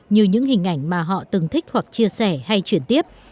như những hình ảnh mà họ từng thích hoặc chia sẻ hay chuyển tiếp